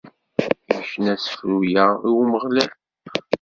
Icna asefru-a i Umeɣlal.